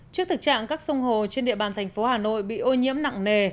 trước thực trạng các sông hồ trên địa bàn thành phố hà nội bị ô nhiễm nặng nề